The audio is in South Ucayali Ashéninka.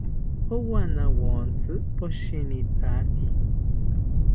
Owanawontzi poshinitaki